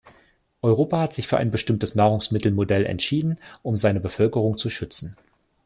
Europa hat sich für ein bestimmtes Nahrungsmittelmodell entschieden, um seine Bevölkerung zu schützen.